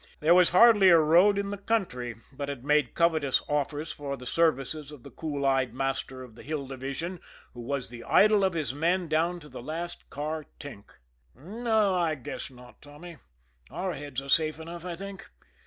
There was hardly a road in the country but had made covetous offers for the services of the cool eyed master of the Hill Division, who was the idol of his men down to the last car tink. "No; I guess not, Tommy. Our heads are safe enough, I think.